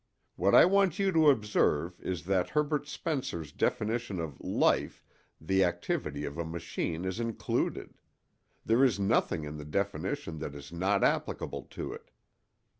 What I want you to observe is that in Herbert Spencer's definition of 'life' the activity of a machine is included—there is nothing in the definition that is not applicable to it.